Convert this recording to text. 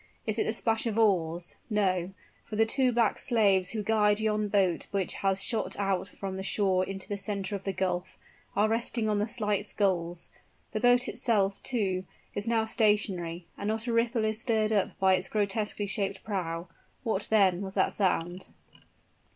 Is it the splash of oars? No for the two black slaves who guide yon boat which has shot out from the shore into the center of the gulf, are resting on the slight sculls the boat itself, too, is now stationary and not a ripple is stirred up by its grotesquely shaped prow. What, then, was that sound?